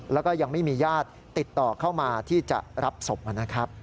แล้วก็ยังไม่มีญาติติดต่อเข้ามาที่จะรับศพนะครับ